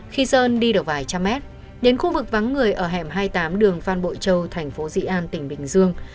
khi sơn đi được vài trăm mét đến khu vực vắng người ở hẻm hai mươi tám đường phan bội châu thành phố dị an tỉnh bình dương